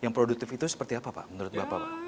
yang produktif itu seperti apa pak menurut bapak